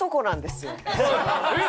えっ？